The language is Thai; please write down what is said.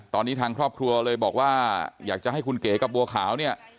ตอนนี้ทางครอบครัวเลยบอกว่าอยากจะให้คุณเก๋กับบัวขาวเนี่ย